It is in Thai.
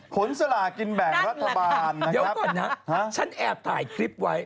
คุณศรากินแบบรัฐบาลนะครับเดี๋ยวก่อนนะฉันแอบถ่ายคลิปไว้